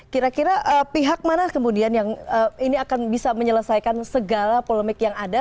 kira kira pihak mana kemudian yang ini akan bisa menyelesaikan segala polemik yang ada